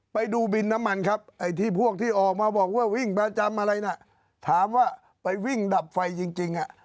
ไปดูบินน้ำมันครับไอ้ที่พวกที่ออกมาบอกว่าวิ่งประจำอะไรน่ะถามว่าไปวิ่งดับไฟจริง